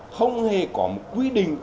không hề có một quy định